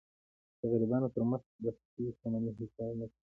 د غریبانو تر مخ د خپلي شتمنۍ حساب مه کوئ!